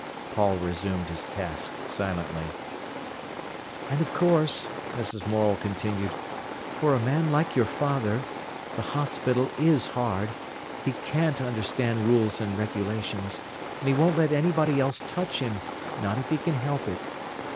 Paul resumed his task silently. "And of course," Mrs. Morel continued, "for a man like your father, the hospital is hard. He can't understand rules and regulations. And he won't let anybody else touch him, not if he can help it.